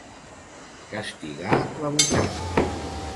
Castigar la butxaca.